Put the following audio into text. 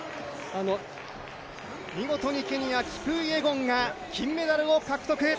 見事にケニアのキプイエゴンが金メダルを獲得。